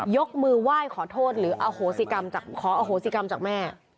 ยกมือไหว้ขอโทษหรือขออาโหกรศีรกรรมจากแม่